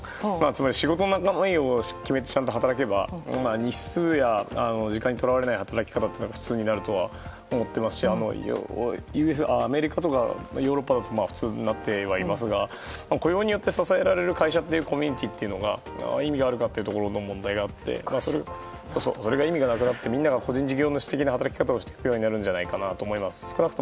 つまり仕事内容をちゃんと決めて働けば日数や時間にとらわれない働き方は普通になるとは思ってますしアメリカとかヨーロッパだと普通になってはいますが雇用によって支えられる会社ってコミュニティーっていうのは意味があるというところの問題があってそれが意味がなくなってみんなが個人事業主的な働き方をしていくようになると思います。